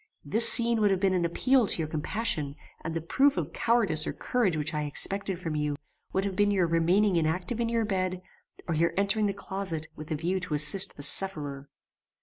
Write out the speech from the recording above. This scene would have been an appeal to your compassion; and the proof of cowardice or courage which I expected from you, would have been your remaining inactive in your bed, or your entering the closet with a view to assist the sufferer.